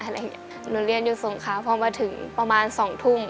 หนูเรียนอยู่สงคราพอมาถึงประมาณ๒ทุ่ม